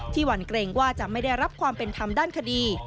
หวั่นเกรงว่าจะไม่ได้รับความเป็นธรรมด้านคดี